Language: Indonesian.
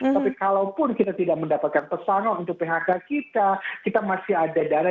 tapi kalau pun kita tidak mendapatkan persangon untuk phk kita kita masih ada dana darurat